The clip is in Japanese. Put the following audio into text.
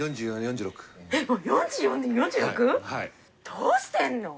どうしてんの？